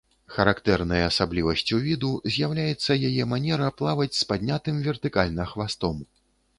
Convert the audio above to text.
Характэрнай асаблівасцю віду з'яўляецца яе манера плаваць з паднятым вертыкальна хвастом.